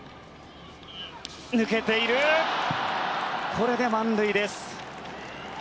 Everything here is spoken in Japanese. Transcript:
これで満塁です。